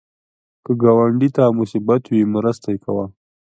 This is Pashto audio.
که ګاونډي ته مصیبت وي، مرسته کوه